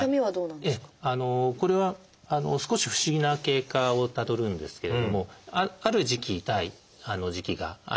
これは少し不思議な経過をたどるんですけれどもある時期痛い時期があります。